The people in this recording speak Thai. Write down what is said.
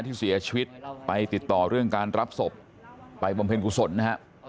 ที่เสียชีวิตไปติดต่อเรื่องการรับศพไปบำเพ็ญกุศลนะฮะ